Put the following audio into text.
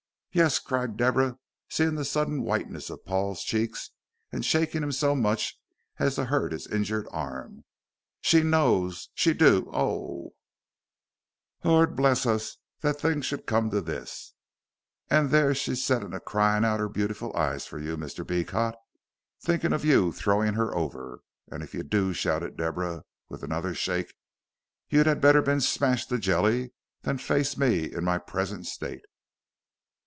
"Yes," cried Deborah, seeing the sudden whiteness of Paul's cheeks, and shaking him so much as to hurt his injured arm, "she knows, she do oh, lor', bless us that things should come to this and there she's settin' a crying out her beautiful eyes for you, Mr. Beecot. Thinking of your throwin' her over, and if you do," shouted Deborah, with another shake, "you'd better ha' bin smashed to a jelly than face me in my presingt state.